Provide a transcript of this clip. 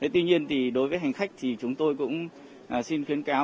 tuy nhiên thì đối với hành khách thì chúng tôi cũng xin khuyến cáo